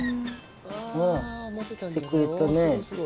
わぁ来てくれたね。